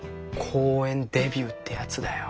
公園デビューってやつだよ。